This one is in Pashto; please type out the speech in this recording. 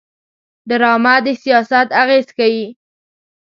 ډرامه د سیاست اغېز ښيي